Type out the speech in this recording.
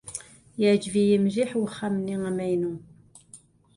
Yeɛjeb-it mliḥ wexxam-nni amaynu.